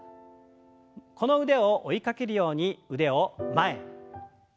この腕を追いかけるように腕を前前。